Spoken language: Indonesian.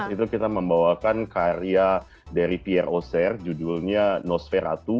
dua ribu tiga belas itu kita membawakan karya dari pierre auxerre judulnya nosferatu